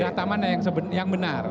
data mana yang sebenar yang benar